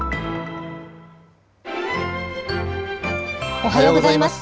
おはようございます。